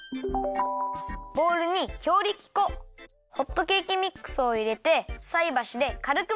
ボウルに強力粉ホットケーキミックスをいれてさいばしでかるくまぜたら。